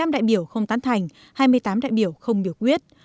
một mươi đại biểu không tán thành hai mươi tám đại biểu không biểu quyết